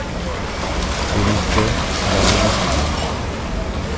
De l'enfer à la rédemption.